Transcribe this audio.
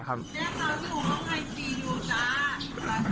แม่เขาอยู่ต้องให้ดีอยู่จ้ะ